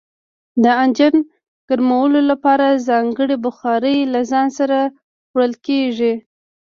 د انجن ګرمولو لپاره ځانګړي بخارۍ له ځان سره وړل کیږي